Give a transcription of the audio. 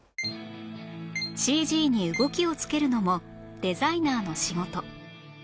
ＣＧ に動きをつけるのもデザイナーの仕事